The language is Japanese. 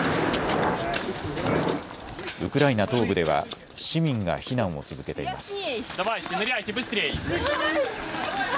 ウクライナ東部では市民が避難を続けています。